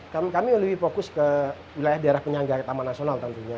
kami lebih fokus ke wilayah daerah penyangga taman nasional tentunya